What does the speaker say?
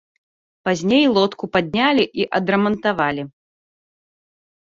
Пазней лодку паднялі і адрамантавалі.